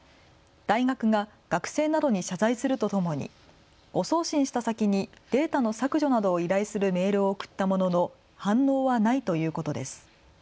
大学が学生などに謝罪するとともに誤送信した先にデータの削除などを依頼するメールを送ったものの反応はないということです。